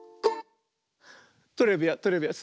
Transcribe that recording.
トレビアントレビアン。